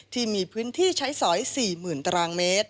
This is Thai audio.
ที่มีพื้นที่ใช้สอย๔๐๐๐๐ตรม